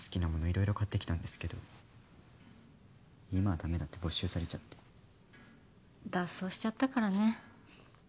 色々買ってきたんですけど今はダメだって没収されちゃって脱走しちゃったからね